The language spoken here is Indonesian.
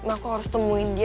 aku harus temuin dia